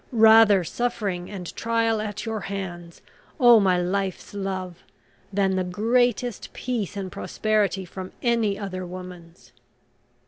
Rather suffering and trial at your hands, oh, my life's love, than the greatest peace and prosperity from any other woman's!"